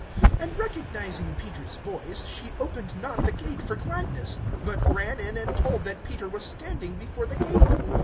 (14)And recognizing Peter's voice, she opened not the gate for gladness, but ran in, and told that Peter was standing before the gate.